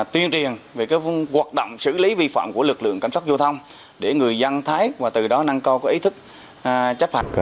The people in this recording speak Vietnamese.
tuyên truyền về hoạt động xử lý vi phạm của lực lượng cảnh sát giao thông để người dân thấy và từ đó năng co có ý thức chấp hẳn